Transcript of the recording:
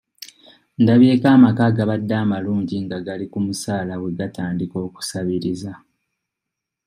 Ndabyeko amaka agabadde amalungi nga gali ku musaala bwe gatandika okusabiriza.